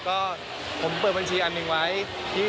ก็ผมเปิดบัญชีอันหนึ่งไว้ที่